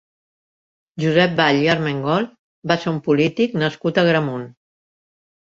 Josep Ball i Armengol va ser un polític nascut a Agramunt.